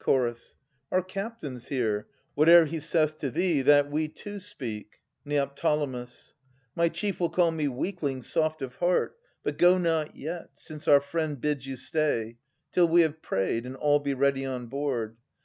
Ch. Our captain's here. Whate'er he saith to thee, that we too speak. Ned. My chief will call me weakling, soft of heart ; But go not yet, since our friend bids you stay. Till we have prayed, and all be ready on board.